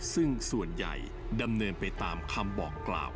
ซึ่งส่วนใหญ่ดำเนินไปตามคำบอกกล่าว